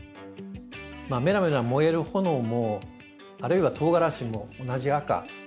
めらめら燃える炎もあるいはとうがらしも同じ赤。